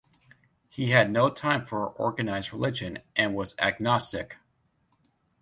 He had no time for organised religion, and was agnostic.